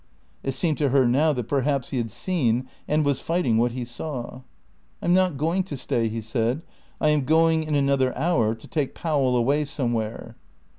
It seemed to her now that perhaps he had seen and was fighting what he saw. "I'm not going to stay," he said, "I am going in another hour to take Powell away somewhere."